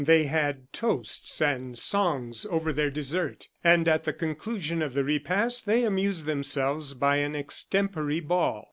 They had toasts and songs over their dessert; and at the conclusion of the repast, they amused themselves by an extempore ball.